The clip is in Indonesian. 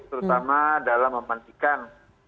terutama dalam memandikan